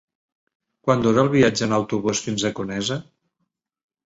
Quant dura el viatge en autobús fins a Conesa?